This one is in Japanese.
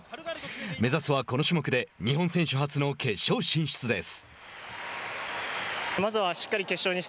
目指すはこの種目で日本選手初の決勝進出です。